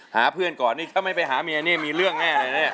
หาเพื่อนก่อนนี่ถ้าไม่ไปหาเมียนี่มีเรื่องแน่เลยนะ